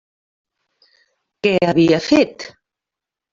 Què havia fet?